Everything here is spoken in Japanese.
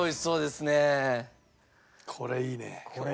これいいね。